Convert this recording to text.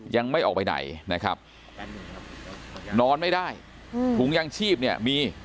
ยังไม่ออกไปไหนนะครับนอนไม่ได้ถุงยางชีพเนี่ยมี